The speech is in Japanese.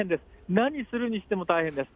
何するにしても大変です。